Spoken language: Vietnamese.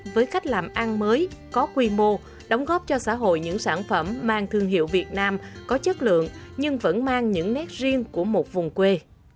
với cách làm ăn mới có quy mô đóng góp cho xã hội những sản phẩm mang thương hiệu việt nam có chất lượng nhưng vẫn mang những nét riêng của một vùng quê